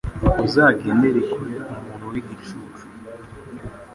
Uzagendere kure umuntu w’igicucu